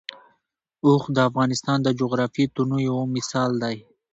اوښ د افغانستان د جغرافیوي تنوع یو مثال دی.